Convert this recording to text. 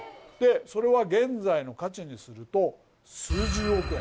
それは現在の価値にすると数十億円。